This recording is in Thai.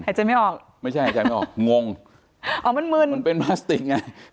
ใจไม่ออกไม่ใช่หายใจไม่ออกงงอ๋อมันมึนมันเป็นพลาสติกไง